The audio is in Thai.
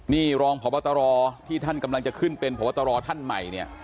นี่รองพบตรที่ท่านกำลังจะขึ้นเป็นพบตรท่านใหม่เนี่ย